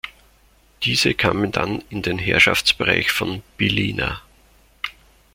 Diese kamen dann in den Herrschaftsbereich von Bílina.